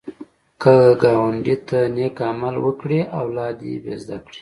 که ګاونډي ته نېک عمل وکړې، اولاد دې به زده کړي